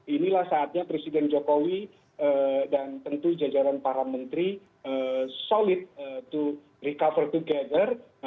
inilah saatnya presiden jokowi dan tentu jajaran para menteri solid to recover together